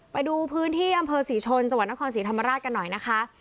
ไปดูพื้นที่อำเภอศรีชนจังหวัดนครศรีธรรมราชกันหน่อยนะคะ